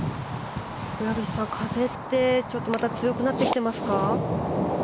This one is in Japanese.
村口さん、風ってまた強くなってきてますか？